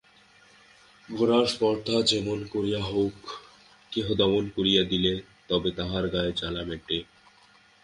গোরার স্পর্ধা যেমন করিয়া হউক কেহ দমন করিয়া দিলে তবে তাহার গায়ের জ্বালা মেটে।